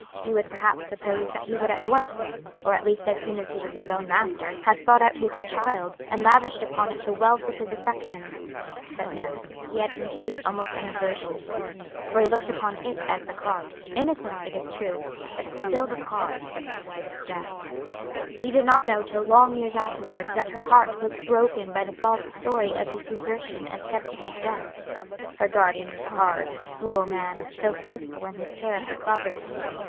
You would perhaps suppose that he would at once or at least as soon as he was his own master have sought out his child, and lavished upon it the wealth of his affections: but no; he had conceived almost an aversion to it; for he looked upon it as the cause innocent, it is true but still the cause of his wife's death. He did not know till long years afterwards that her heart was broken by the false story of his desertion and subsequent death. Her guardian was a hard, cruel man, though faithful in his care of her property.